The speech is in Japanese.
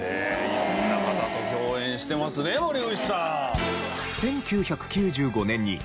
色んな方と共演してますね森口さん。